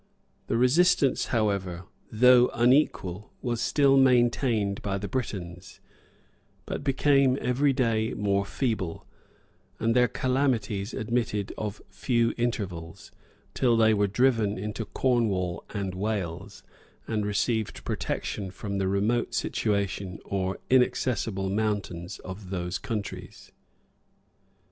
The resistance, however, though unequal, was still maintained by the Britons; but became every day more feeble; and their calamities admitted of few intervals, till they were driven into Cornwall and Wales, and received protection from the remote situation or inaccessible mountains of those countries.